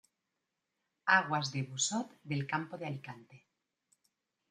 Aguas de Busot del Campo de Alicante.